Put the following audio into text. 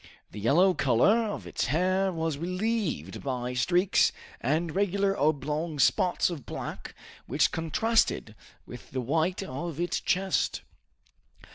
The yellow color of its hair was relieved by streaks and regular oblong spots of black, which contrasted with the white of its chest.